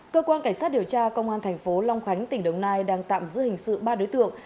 cơ quan cảnh sát điều tra công an thành phố long khánh tỉnh đồng nai đang tạm giữ hình sự ba đối tượng